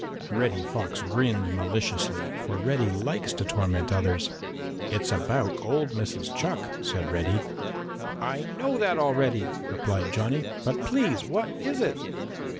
Reddy Fox grinned maliciously, for Reddy likes to torment others. "It's about old Mrs. Chuck," said Reddy. "I know that already," replied Johnny, "but, please, what is it?"